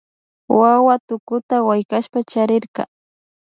Wawa tukuta wichkashpa sakirka